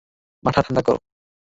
মাথা ঠান্ডা করো।